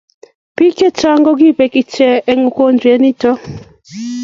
bik chechang ko ki bek ichen eng ukonjwet niton